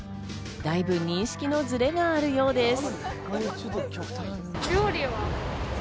だいぶ認識のズレがあるようです。